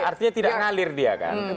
artinya tidak ngalir dia kan